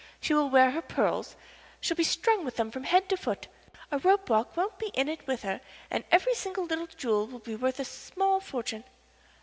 She will wear her pearls she'll be strung with them from head to foot. A rope walk won't be in it with her, and every single little jewel will be worth a small fortune.